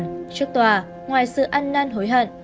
trước tòa ngoài sự ăn nan hối hận